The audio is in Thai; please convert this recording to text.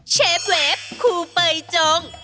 เชฟเวฟคูเปยจง